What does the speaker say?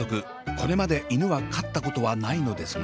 これまで犬は飼ったことはないのですが。